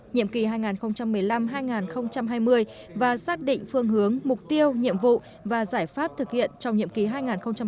nhiệm kỳ hai nghìn một mươi năm hai nghìn hai mươi và xác định phương hướng mục tiêu nhiệm vụ và giải pháp thực hiện trong nhiệm kỳ hai nghìn hai mươi hai nghìn hai mươi năm